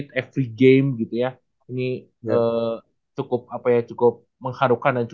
dewa lebih diunggulkan nih